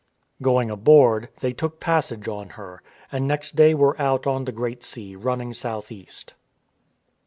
Going aboard, they took passage on her, and next day were out on the Great Sea running south east.